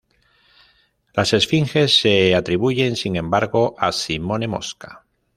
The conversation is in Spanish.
Las esfinges se atribuyen sin embargo a Simone Mosca.